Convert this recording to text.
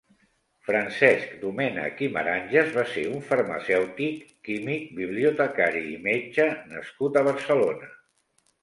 Francesc Domènech i Maranges va ser un farmacèutic, químic, bibliotecari i metge nascut a Barcelona.